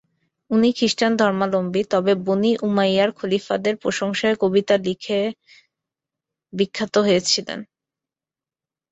তিনি খ্রিস্টান ধর্মাবলম্বী, তবে বনি উমাইয়ার খলিফাদের প্রশংসায় কবিতা লিখে বিখ্যাত হয়েছিলেন।